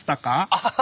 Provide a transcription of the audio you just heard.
アハハ。